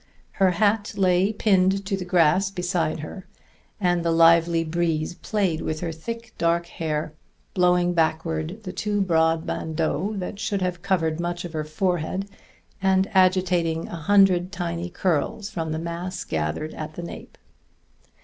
Her hat lay pinned to the grass beside her, and the lively breeze played with her thick dark hair, blowing backward the two broad bandeaux that should have covered much of her forehead, and agitating a hundred tiny curls from the mass gathered at the nape.